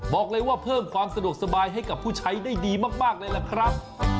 บอกเลยว่าเพิ่มความสะดวกสบายให้กับผู้ใช้ได้ดีมากเลยล่ะครับ